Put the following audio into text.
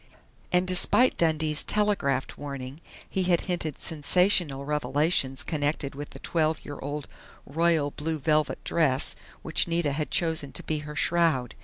And despite Dundee's telegraphed warning, he had hinted sensational revelations connected with the twelve year old royal blue velvet dress which Nita had chosen to be her shroud.